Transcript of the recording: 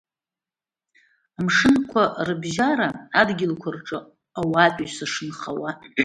Амшынқәа рыбжьара адгьылқәа рҿы ауаатәыҩса шынхауа.